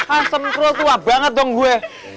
asem kru tua banget dong gue